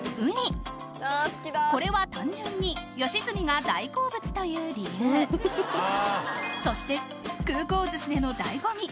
これは単純に良純が大好物という理由そして空港寿司での醍醐味